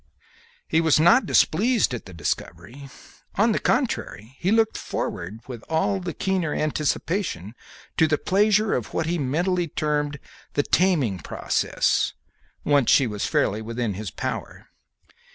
He was not displeased at the discovery; on the contrary, he looked forward with all the keener anticipation to the pleasure of what he mentally termed the "taming" process, once she was fairly within his power.